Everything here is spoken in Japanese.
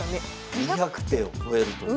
２００手を超えるという。